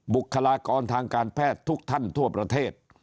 บุคลากรทางการแพทย์ทุกท่านทั่วประเทศ